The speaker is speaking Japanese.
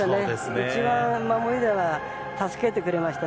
一番守りでは助けてくれました。